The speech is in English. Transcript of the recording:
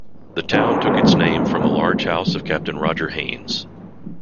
The town took its name from the large house of Captain Roger Haynes.